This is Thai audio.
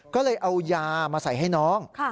ก็เลยเอายามาใส่ให้น้อง